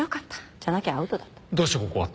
じゃなきゃアウトだった。